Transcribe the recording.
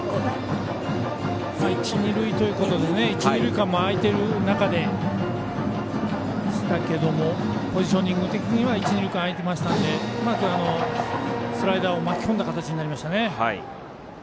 一、二塁ということで一塁二塁間も空いてる中でしたがポジショニング的には一、二塁間空いていたのでうまくスライダーを巻き込んだ形になりましたね。